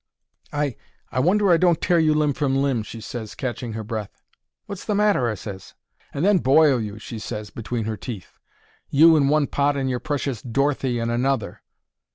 "I—I wonder I don't tear you limb from limb," she ses, catching her breath. "Wot's the matter?" I ses. "And then boil you," she ses, between her teeth. "You in one pot and your precious Dorothy in another."